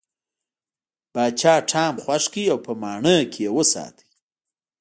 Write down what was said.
پاچا ټام خوښ کړ او په ماڼۍ کې یې وساته.